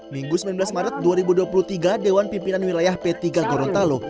minggu sembilan belas maret dua ribu dua puluh tiga dewan pimpinan wilayah p tiga gorontalo